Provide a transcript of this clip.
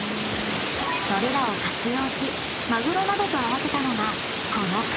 ［それらを活用しまぐろなどと合わせたのがこの海鮮丼］